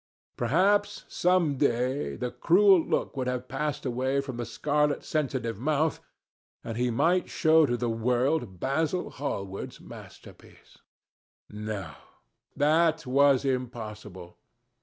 Perhaps, some day, the cruel look would have passed away from the scarlet sensitive mouth, and he might show to the world Basil Hallward's masterpiece. No; that was impossible.